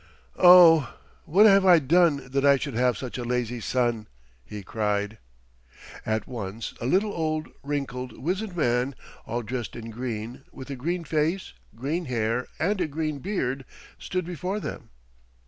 "Oh! what have I done that I should have such a lazy son!" he cried. At once a little old, wrinkled, weazened man, all dressed in green, with a green face, green hair, and a green beard stood before them.